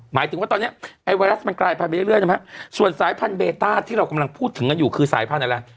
หมายถึงว่าตอนนี้ไอ้ไวรัสมันกลายพันธุไปเรื่อยนะฮะส่วนสายพันธุเบต้าที่เรากำลังพูดถึงกันอยู่คือสายพันธุ์อะไร